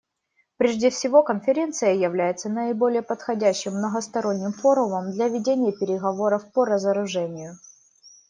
Прежде всего, Конференция является наиболее подходящим многосторонним форумом для ведения переговоров по разоружению.